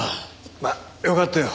まあよかったよ